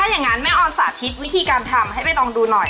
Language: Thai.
อย่างนั้นแม่ออนสาธิตวิธีการทำให้ใบตองดูหน่อย